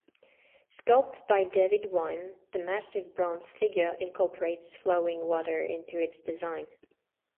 Sculpted by David Wynne, the massive bronze figure incorporates flowing water into its design.